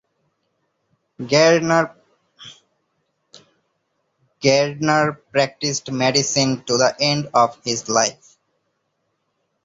Gairdner practiced medicine to the end of his life.